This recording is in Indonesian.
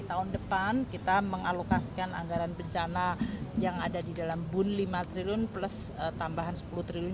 tahun depan kita mengalokasikan anggaran bencana yang ada di dalam bun lima triliun plus tambahan sepuluh triliun